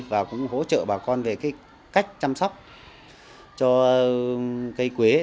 và cũng hỗ trợ bà con về cái cách chăm sóc cho cây quế